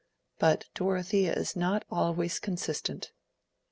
But Dorothea is not always consistent."